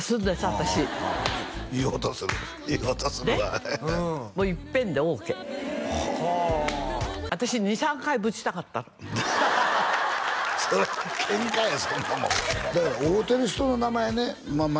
私いい音するいい音するわもう一遍でオーケーはあ私２３回ぶちたかったのそれケンカやそんなもんだから会うてる人の名前ねまあまあ